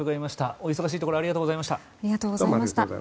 お忙しいところありがとうございました。